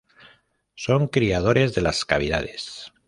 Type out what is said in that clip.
Son criadores de las cavidades.